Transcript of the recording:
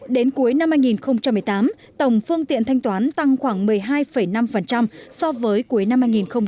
đến cuối năm hai nghìn một mươi tám tổng phương tiện thanh toán tăng khoảng một mươi hai năm so với cuối năm hai nghìn một mươi tám